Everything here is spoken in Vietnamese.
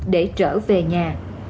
để trở về nhà